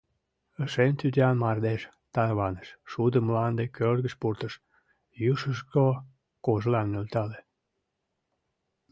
Шем тӱтан мардеж тарваныш, Шудым мланде кӧргыш пуртыш, Южышко кожлам нӧлтале.